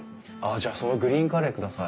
じゃあそのグリーンカレー下さい。